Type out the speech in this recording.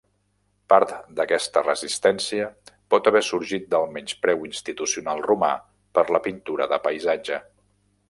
Part d'aquesta resistència pot haver sorgit del menyspreu institucional romà per la pintura de paisatge.